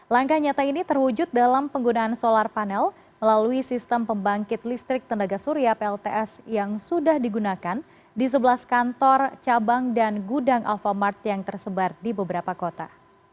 langkah nyata ini terwujud dalam penggunaan solar panel melalui sistem pembangkit listrik tenaga surya plts yang sudah digunakan di sebelah kantor cabang dan gudang alphamart yang tersebar di beberapa kota